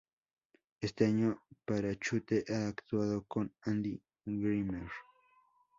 Este año Parachute ha actuado con Andy Grammer.